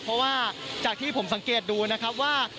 เพราะว่าจากที่ผมสังเกตดูนะครับว่า